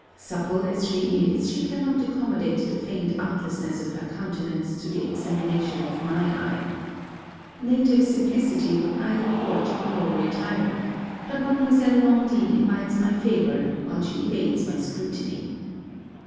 Supple as she is, she cannot accommodate the feigned artlessness of her countenance to the examination of my eye. Native simplicity would neither court nor retire; but Mademoiselle Laundy invites my favour, while she evades my scrutiny.